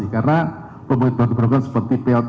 karena pembangkit baru terbarukan seperti pltu